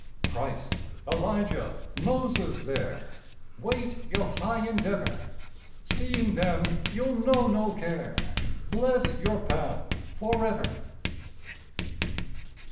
Christ, Elijah, Moses, there Wait your high endeavor. Seeing them you'll know no care, Bless your path forever.